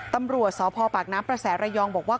ตำรวจสพปากน้ำประแสระยองบอกว่า